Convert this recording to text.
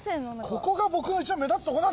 ここが僕の一番目立つとこなんだから！